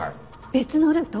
別のルート？